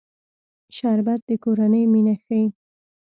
شربت د کورنۍ مینه ښيي